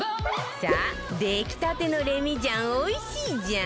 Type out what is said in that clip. さあ出来たてのレミジャンおいしいジャン